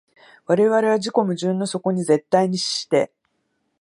我々は自己矛盾の底に絶対に死して、